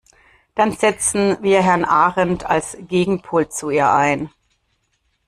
Dann setzen wir Herrn Ahrendt als Gegenpol zu ihr ein.